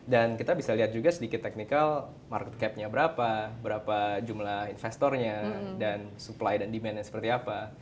dan kita bisa lihat juga sedikit technical market capnya berapa berapa jumlah investornya dan supply dan demandnya seperti apa